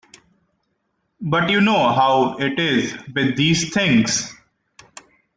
But you know how it is with these things.